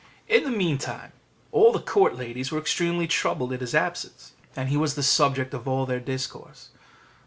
In the meantime all the court ladies were extremely troubled at his absence, and he was the subject of all their discourse.